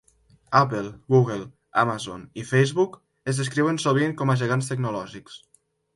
Apple, Google, Amazon i Facebook es descriuen sovint com a gegants tecnològics.